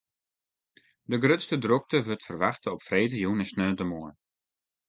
De grutste drokte wurdt ferwachte op freedtejûn en sneontemoarn.